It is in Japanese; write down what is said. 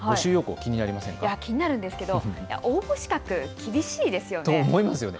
気になるんですけど応募資格、厳しいですよね。